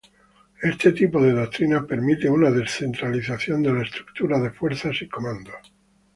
Este tipo de doctrinas permite una descentralización de la estructura de fuerzas y comandos.